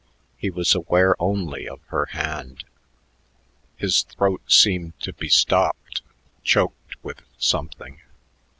He was aware only of her hand. His throat seemed to be stopped, choked with something.